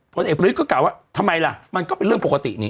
เพราะว่าทุกคนคิดว่าทำไมล่ะมันก็เป็นเรื่องปกตินี้